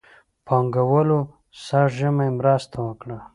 پانګهوالو سږ ژمی مرسته وکړه.